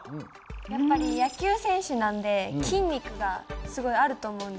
やっぱり野球選手なんで筋肉がすごいあると思うんですよ。